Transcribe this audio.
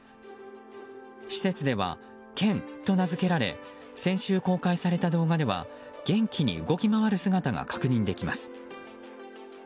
施設では、ケンと名付けられ先週公開された動画では元気に動き回る姿が確認できます。